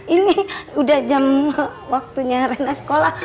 ini udah jam waktunya rendah sekolah